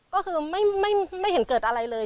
ก็คือไม่เห็นเกิดอะไรเลย